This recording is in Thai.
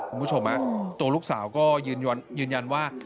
คุณผู้ชมตัวลูกสาวก็ยืนยันว่า